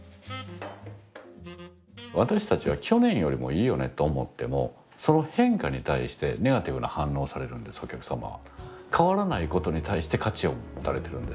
私たちは「去年よりもいいよね」と思ってもその変化に対してネガティブな反応をされるんですお客様は。